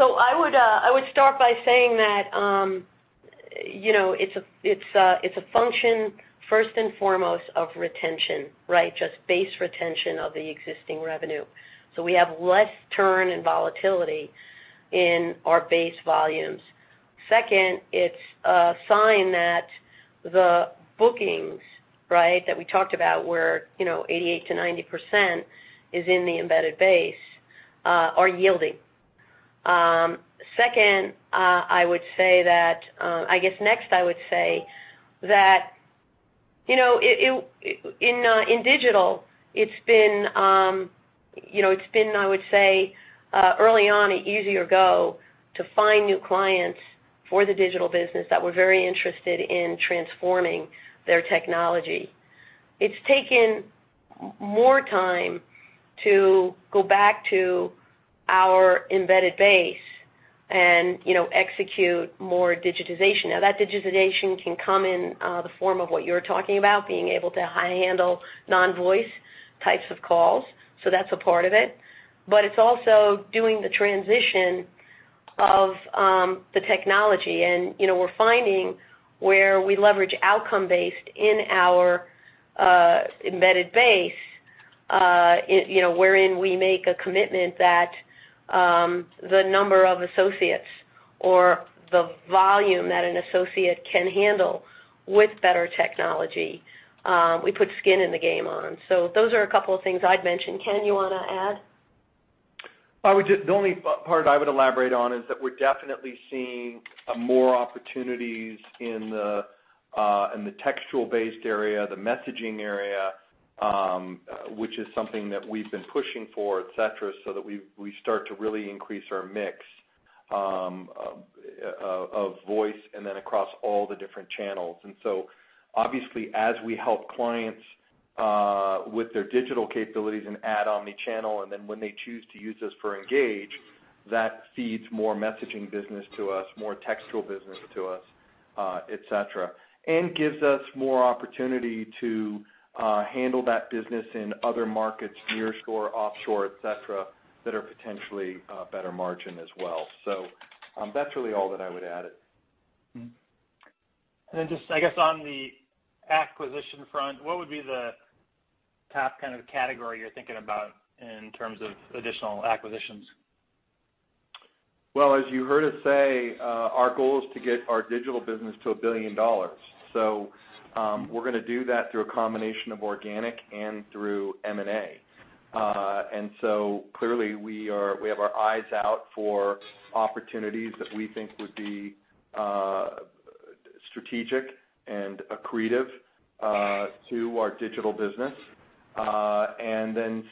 I would start by saying that, you know, it's a function, first and foremost, of retention, right? Just base retention of the existing revenue. We have less turn and volatility in our base volumes. Second, it's a sign that the bookings, right, that we talked about where, you know, 88%-90% is in the embedded base, are yielding. Second, I would say that, I guess, next, I would say that, you know, in digital, it's been, you know, it's been, I would say, early on, an easier go to find new clients for the digital business that were very interested in transforming their technology. It's taken more time to go back to our embedded base and, you know, execute more digitization. Now that digitization can come in the form of what you're talking about, being able to handle non-voice types of calls, so that's a part of it. It's also doing the transition of the technology. We're finding where we leverage outcome-based in our embedded base, wherein we make a commitment that the number of associates or the volume that an associate can handle with better technology, we put skin in the game on. Those are a couple of things I'd mention. Ken, you wanna add? The only part I would elaborate on is that we're definitely seeing more opportunities in the text-based area, the messaging area, which is something that we've been pushing for, et cetera, so that we start to really increase our mix of voice and then across all the different channels. Obviously, as we help clients with their digital capabilities and add omnichannel, and then when they choose to use us for Engage, that feeds more messaging business to us, more text business to us, et cetera. Gives us more opportunity to handle that business in other markets, nearshore, offshore, et cetera, that are potentially better margin as well. That's really all that I would add it. Just, I guess, on the acquisition front, what would be the top kind of category you're thinking about in terms of additional acquisitions? Well, as you heard us say, our goal is to get our digital business to $1 billion. We're gonna do that through a combination of organic and through M&A. Clearly, we have our eyes out for opportunities that we think would be strategic and accretive to our digital business.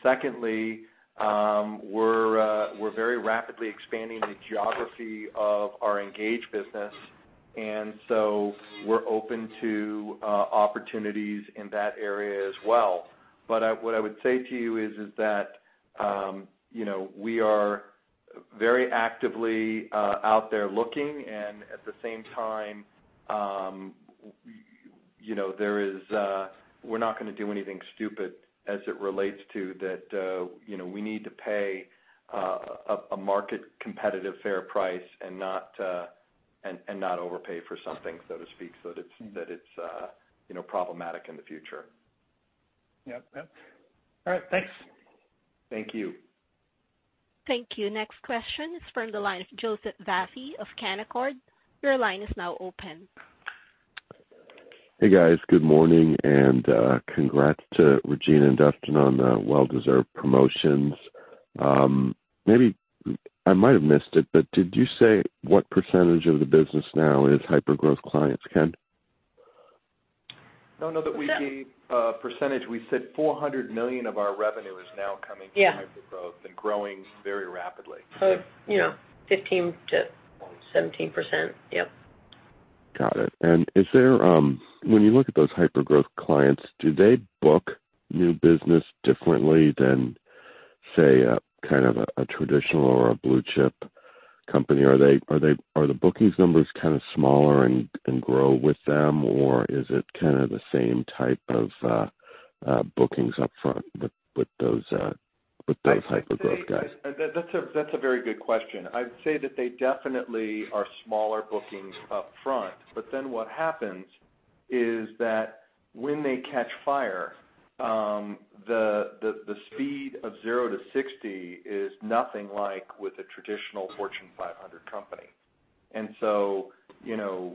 Secondly, we're very rapidly expanding the geography of our Engage business, and we're open to opportunities in that area as well. What I would say to you is that you know we are very actively out there looking, and at the same time you know there is we're not gonna do anything stupid as it relates to that you know we need to pay a market competitive fair price and not overpay for something, so to speak, so that it's you know problematic in the future. Yep. All right. Thanks. Thank you. Thank you. Next question is from the line of Joseph Vafi of Canaccord. Your line is now open. Hey, guys. Good morning, and congrats to Regina and Dustin on the well-deserved promotions. Maybe I might have missed it, but did you say what percentage of the business now is hyper-growth clients, Ken? No, no. That we gave, percentage. We said $400 million of our revenue is now coming- Yeah From hyper-growth and growing very rapidly. You know, 15%-17%. Yep. Got it. Is there, when you look at those hyper-growth clients, do they book new business differently than, say, a kind of a traditional or a blue chip company? Are the bookings numbers kind of smaller and grow with them, or is it kind of the same type of bookings up front with those hyper-growth guys? I'd say that's a very good question. I'd say that they definitely are smaller bookings upfront, but then what happens is that when they catch fire, the speed of 0-60 is nothing like with a traditional Fortune 500 company. You know,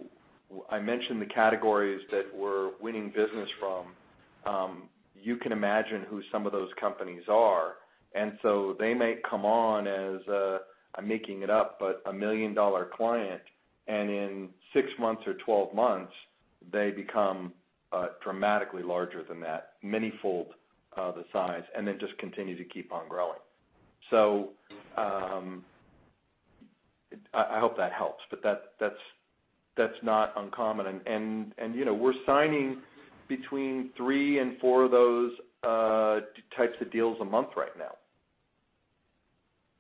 I mentioned the categories that we're winning business from. You can imagine who some of those companies are. They may come on as, I'm making it up, but a $1 million client, and in six months or 12 months, they become dramatically larger than that, manifold the size, and then just continue to keep on growing. I hope that helps. But that's not uncommon. You know, we're signing between three and four of those types of deals a month right now.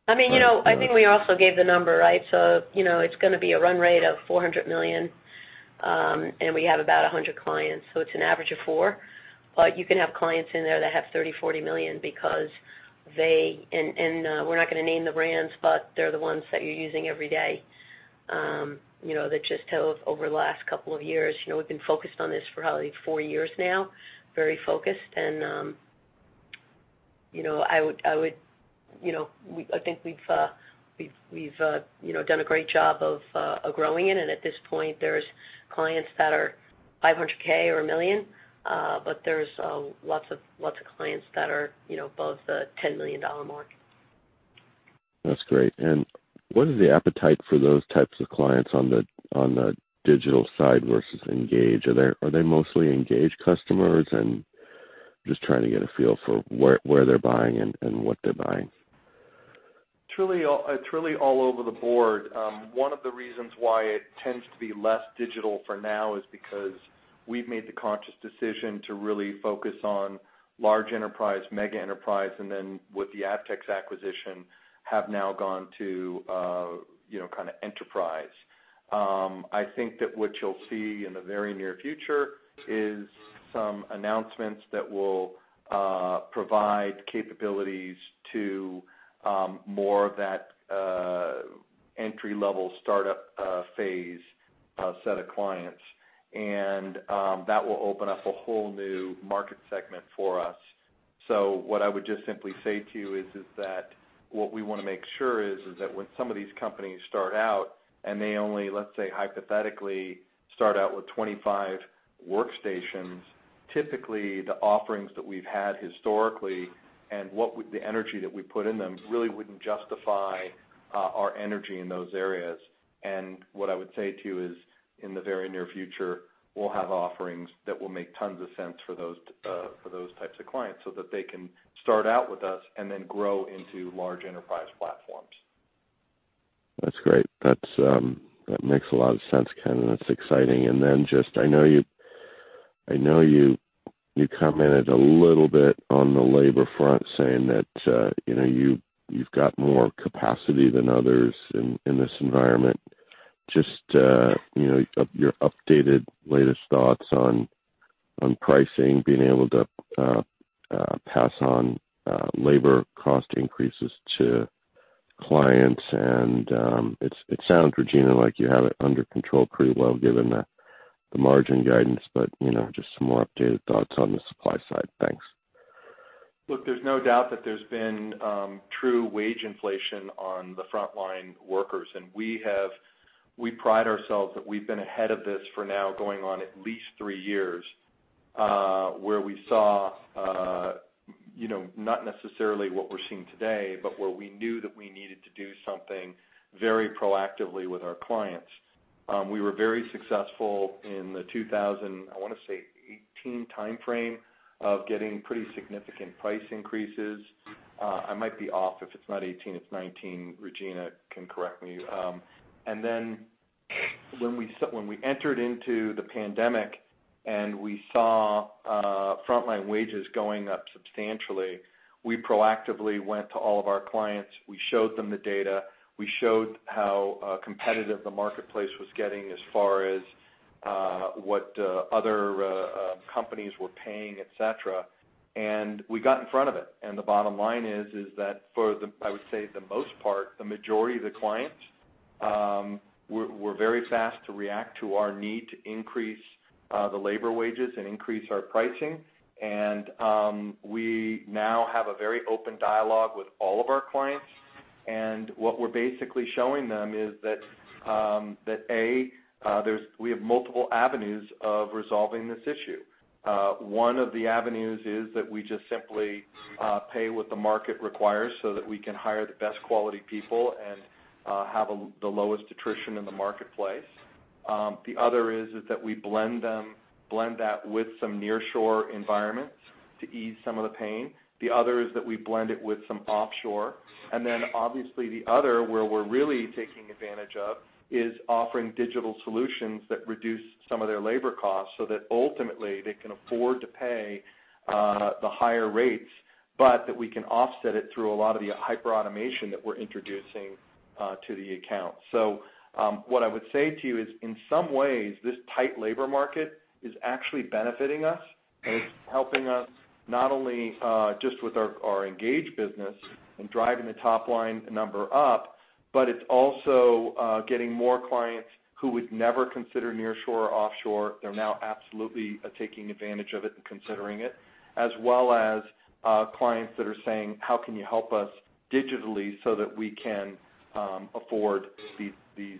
I mean, you know, I think we also gave the number, right? You know, it's gonna be a run rate of $400 million, and we have about 100 clients, so it's an average of four. But you can have clients in there that have $30, $40 million because they—we're not gonna name the brands, but they're the ones that you're using every day, you know, that just have over the last couple of years. You know, we've been focused on this for probably four years now, very focused. You know, I would. I think we've done a great job of growing it. At this point, there's clients that are $500,000 or $1 million, but there's lots of clients that are, you know, above the $10 million mark. That's great. What is the appetite for those types of clients on the digital side versus Engage? Are they mostly Engage customers? Just trying to get a feel for where they're buying and what they're buying. It's really all over the board. One of the reasons why it tends to be less digital for now is because we've made the conscious decision to really focus on large enterprise, mega enterprise, and then with the Avtex acquisition have now gone to kinda enterprise. I think that what you'll see in the very near future is some announcements that will provide capabilities to more of that entry-level startup phase set of clients. That will open up a whole new market segment for us. What I would just simply say to you is that what we wanna make sure is that when some of these companies start out and they only, let's say, hypothetically, start out with 25 workstations, typically the offerings that we've had historically, and the energy that we put in them really wouldn't justify our energy in those areas. What I would say to you is, in the very near future, we'll have offerings that will make tons of sense for those types of clients, so that they can start out with us and then grow into large enterprise platforms. That's great. That's, that makes a lot of sense, Ken, and it's exciting. Then just I know you commented a little bit on the labor front saying that, you know, you've got more capacity than others in this environment. Just, you know, your updated latest thoughts on pricing, being able to, pass on, labor cost increases to clients. It sounds, Regina, like you have it under control pretty well given the margin guidance, but, you know, just some more updated thoughts on the supply side. Thanks. Look, there's no doubt that there's been true wage inflation on the frontline workers. We pride ourselves that we've been ahead of this for now going on at least three years, where we saw you know, not necessarily what we're seeing today, but where we knew that we needed to do something very proactively with our clients. We were very successful in the 2018 timeframe, of getting pretty significant price increases. I might be off. If it's not 2018, it's 2019. Regina can correct me. When we entered into the pandemic and we saw frontline wages going up substantially, we proactively went to all of our clients. We showed them the data. We showed how competitive the marketplace was getting as far as what other companies were paying, et cetera, and we got in front of it. The bottom line is that for the, I would say, the most part, the majority of the clients were very fast to react to our need to increase the labor wages and increase our pricing. We now have a very open dialogue with all of our clients. What we're basically showing them is that A, we have multiple avenues of resolving this issue. One of the avenues is that we just simply pay what the market requires so that we can hire the best quality people and have the lowest attrition in the marketplace. The other is that we blend that with some nearshore environments to ease some of the pain. The other is that we blend it with some offshore. Obviously the other, where we're really taking advantage of, is offering digital solutions that reduce some of their labor costs so that ultimately they can afford to pay the higher rates, but that we can offset it through a lot of the hyperautomation that we're introducing to the account. What I would say to you is, in some ways, this tight labor market is actually benefiting us, and it's helping us not only just with our Engage business and driving the top-line number up, but it's also getting more clients who would never consider nearshore or offshore. They're now absolutely taking advantage of it and considering it. As well as clients that are saying, "How can you help us digitally so that we can afford these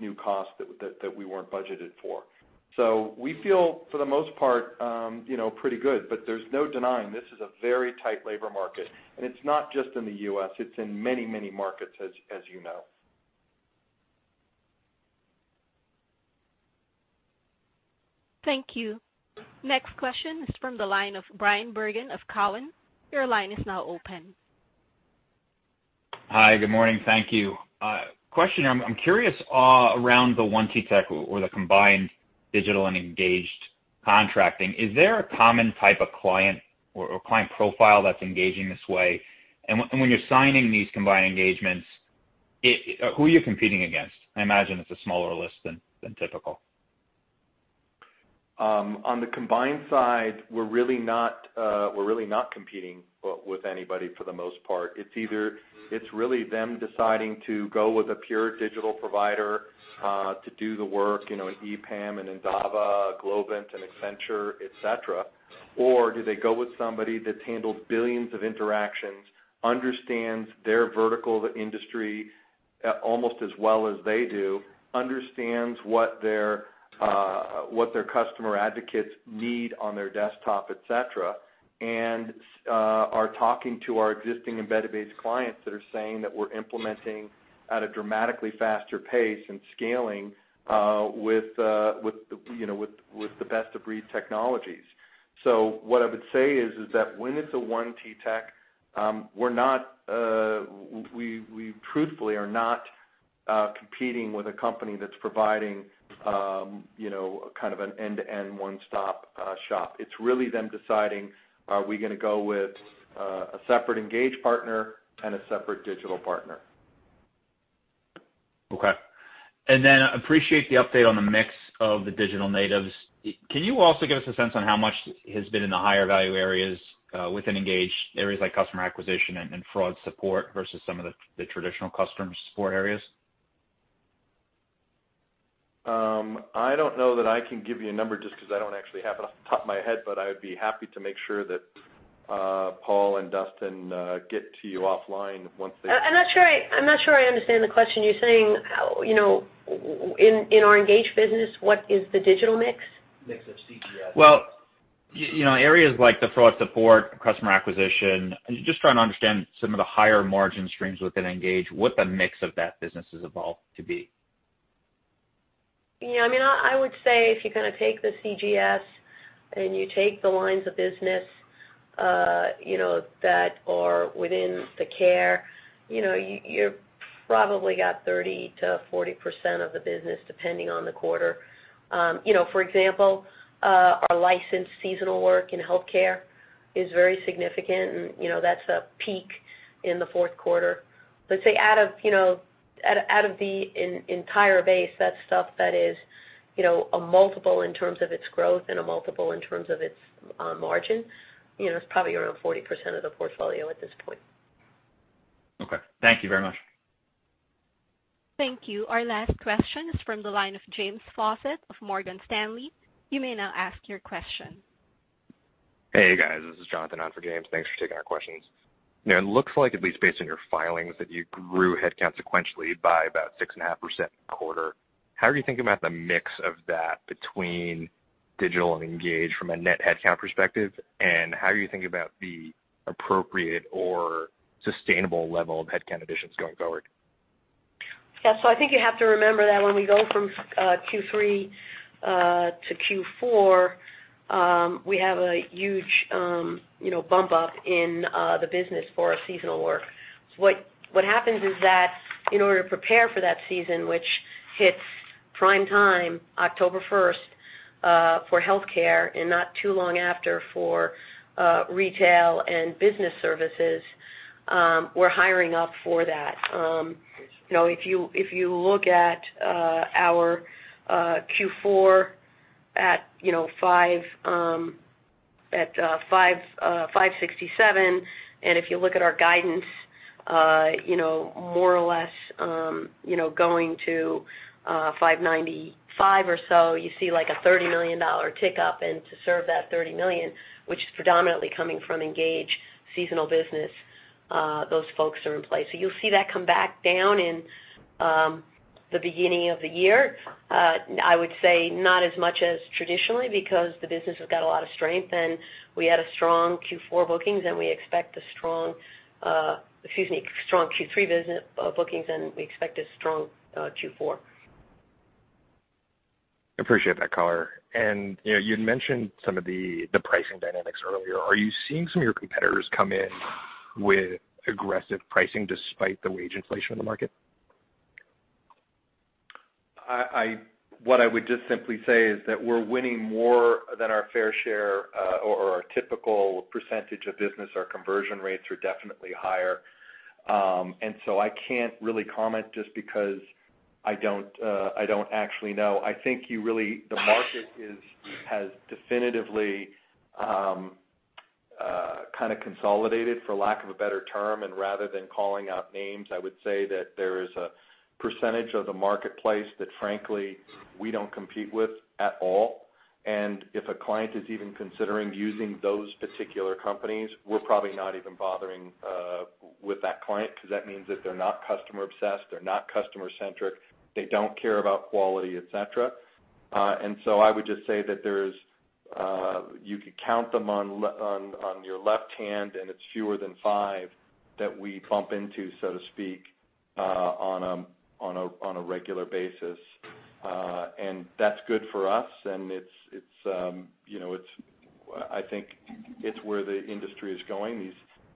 new costs that we weren't budgeted for?" We feel for the most part, you know, pretty good, but there's no denying this is a very tight labor market. It's not just in the U.S., it's in many markets as you know. Thank you. Next question is from the line of Bryan Bergin of Cowen. Your line is now open. Hi, good morning. Thank you. Question, I'm curious around the one TTEC or the combined Digital and Engage contracting. Is there a common type of client or client profile that's engaging this way? When you're signing these combined engagements, who are you competing against? I imagine it's a smaller list than typical. On the combined side, we're really not competing with anybody for the most part. It's either really them deciding to go with a pure digital provider to do the work, you know, an EPAM and Endava, a Globant and Accenture, et cetera. Or do they go with somebody that's handled billions of interactions, understands their vertical, the industry, almost as well as they do, understands what their customer advocates need on their desktop, et cetera, and are talking to our existing and database clients that are saying that we're implementing at a dramatically faster pace and scaling with the best-of-breed technologies. What I would say is that when it's a one TTEC, we're not, we truthfully are not competing with a company that's providing, you know, kind of an end-to-end one-stop shop. It's really them deciding, are we gonna go with a separate Engage partner and a separate Digital partner. Okay. Appreciate the update on the mix of the digital natives. Can you also give us a sense on how much has been in the higher value areas within Engage, areas like customer acquisition and fraud support versus some of the traditional customer support areas? I don't know that I can give you a number just 'cause I don't actually have it off the top of my head, but I'd be happy to make sure that Paul and Dustin get to you offline once they- I'm not sure I understand the question. You're saying, you know, in our Engage business, what is the digital mix? Mix of CGS. Well, you know, areas like the fraud support, customer acquisition. Just trying to understand some of the higher margin streams within Engage, what the mix of that business has evolved to be. Yeah, I mean, I would say if you kind of take the CGS and you take the lines of business, you know, that are within the care, you know, you're probably got 30%-40% of the business depending on the quarter. You know, for example, our licensed seasonal work in healthcare is very significant and, you know, that's a peak in the fourth quarter. Let's say out of, you know, out of the entire base, that's stuff that is, you know, a multiple in terms of its growth and a multiple in terms of its margin. You know, it's probably around 40% of the portfolio at this point. Okay. Thank you very much. Thank you. Our last question is from the line of James Faucette of Morgan Stanley. You may now ask your question. Hey, guys. This is Jonathan on for James. Thanks for taking our questions. Now it looks like, at least based on your filings, that you grew headcount sequentially by about 6.5% quarter. How are you thinking about the mix of that between Digital and Engage from a net headcount perspective? And how are you thinking about the appropriate or sustainable level of headcount additions going forward? Yeah. I think you have to remember that when we go from Q3 to Q4, we have a huge you know bump up in the business for our seasonal work. What happens is that in order to prepare for that season, which hits prime time October first for healthcare and not too long after for retail and business services, we're hiring up for that. You know if you look at our Q4 at you know $567 million, and if you look at our guidance you know more or less you know going to $595 million or so, you see like a $30 million tick up. To serve that $30 million, which is predominantly coming from Engage seasonal business, those folks are in place. You'll see that come back down in the beginning of the year. I would say not as much as traditionally because the business has got a lot of strength, and we had a strong Q4 bookings, and we expect a strong Q3 bookings, and we expect a strong Q4. Appreciate that color. You know, you'd mentioned some of the pricing dynamics earlier. Are you seeing some of your competitors come in with aggressive pricing despite the wage inflation in the market? What I would just simply say is that we're winning more than our fair share or our typical percentage of business. Our conversion rates are definitely higher. I can't really comment just because I don't actually know. I think the market has definitively kind of consolidated, for lack of a better term, and rather than calling out names, I would say that there is a percentage of the marketplace that frankly, we don't compete with at all. If a client is even considering using those particular companies, we're probably not even bothering with that client because that means that they're not customer-obsessed, they're not customer-centric, they don't care about quality, et cetera. I would just say that you could count them on your left hand, and it's fewer than five that we bump into, so to speak, on a regular basis. That's good for us, and you know, I think it's where the industry is going.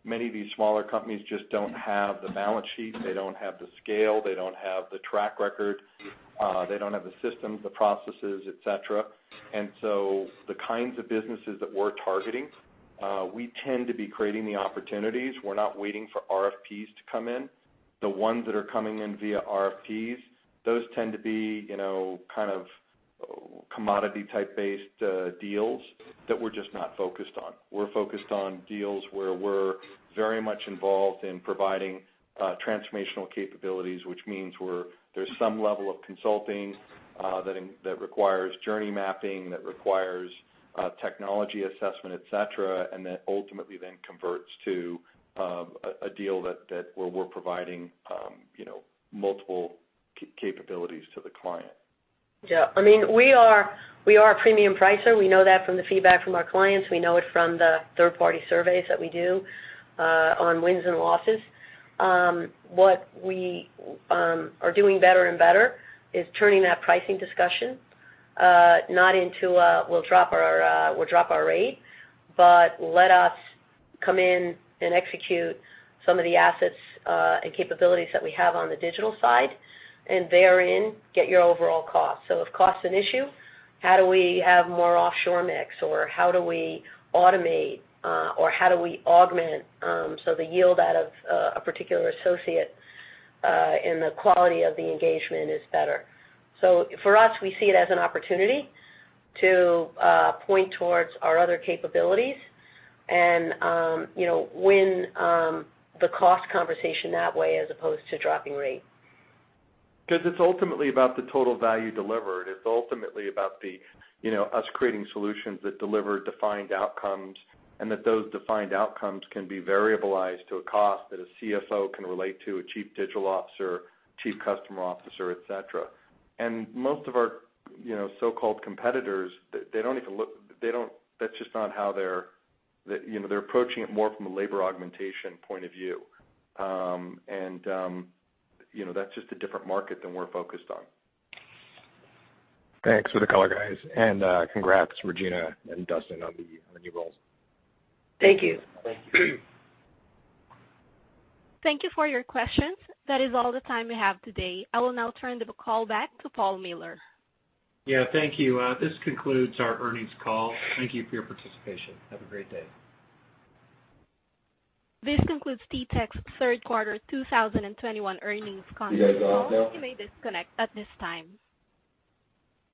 Many of these smaller companies just don't have the balance sheet. They don't have the scale. They don't have the track record. They don't have the systems, the processes, et cetera. The kinds of businesses that we're targeting, we tend to be creating the opportunities. We're not waiting for RFPs to come in. The ones that are coming in via RFPs, those tend to be, you know, kind of commodity type-based deals that we're just not focused on. We're focused on deals where we're very much involved in providing transformational capabilities, which means there's some level of consulting that requires journey mapping, that requires technology assessment, et cetera. That ultimately converts to a deal that where we're providing you know multiple capabilities to the client. Yeah. I mean, we are a premium pricer. We know that from the feedback from our clients. We know it from the third-party surveys that we do on wins and losses. What we are doing better and better is turning that pricing discussion not into a, we'll drop our rate, but let us come in and execute some of the assets and capabilities that we have on the digital side. Therein, get your overall cost. If cost is an issue, how do we have more offshore mix? Or how do we automate or how do we augment so the yield out of a particular associate and the quality of the engagement is better? For us, we see it as an opportunity to point towards our other capabilities and, you know, win the cost conversation that way as opposed to dropping rate. 'Cause it's ultimately about the total value delivered. It's ultimately about the, you know, us creating solutions that deliver defined outcomes, and that those defined outcomes can be variabilized to a cost that a CFO can relate to, a chief digital officer, chief customer officer, et cetera. Most of our, you know, so-called competitors, they don't even look. They don't. That's just not how they're. You know, they're approaching it more from a labor augmentation point of view. You know, that's just a different market than we're focused on. Thanks for the color, guys. Congrats, Regina and Dustin, on the new roles. Thank you. Thank you. Thank you for your questions. That is all the time we have today. I will now turn the call back to Paul Miller. Yeah, thank you. This concludes our earnings call. Thank you for your participation. Have a great day. This concludes TTEC's third quarter 2021 earnings conference call. You may disconnect at this time.